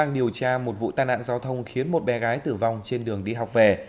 điều tra một vụ tai nạn giao thông khiến một bé gái tử vong trên đường đi học về